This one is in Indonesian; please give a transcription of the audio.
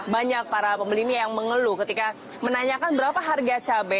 banyak para pembeli ini yang mengeluh ketika menanyakan berapa harga cabai